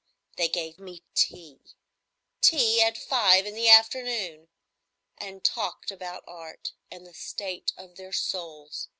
They gave me tea,—tea at five in the afternoon!—and talked about Art and the state of their souls.